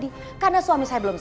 kita jangan agak sedih pounds